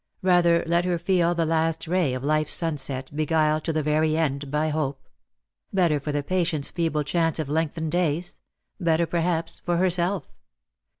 Bather let her feel the last ray of life's sunset, beguiled to the very end by hope; better for the patient's feeble chance of lengthened days — better, perhaps, for herself.